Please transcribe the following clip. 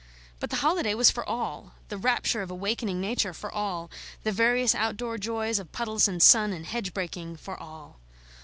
But the holiday was for all, the rapture of awakening Nature for all, the various outdoor joys of puddles and sun and hedge breaking for all.